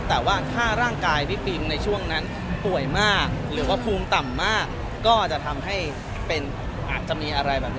แต่ว่าถ้าร่างกายพี่ปิงในช่วงนั้นป่วยมากหรือว่าภูมิต่ำมากก็จะทำให้เป็นอาจจะมีอะไรแบบนี้